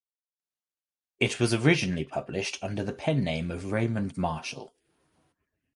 It was originally published under the pen name of Raymond Marshall.